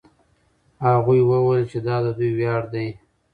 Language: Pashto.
هغوی وویل چې دا د دوی ویاړ دی.